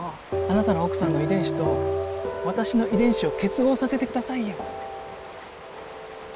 あなたの奥さんの遺伝子と私の遺伝子を結合させてくださいよ。